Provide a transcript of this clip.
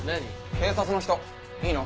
警察の人いいの？